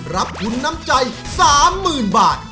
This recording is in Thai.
รับทุนน้ำใจ๓๐๐๐บาท